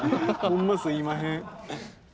ほんますいまへん。